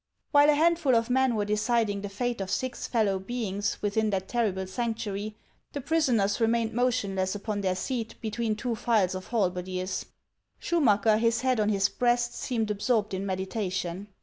While a handful of men were deciding the fate of six fellow beings within that terrible sanctuary, the prisoners remained motionless upon their seat between two files oi halberdiers. Schumacker, his head on his breast, seemed absorbed in meditation.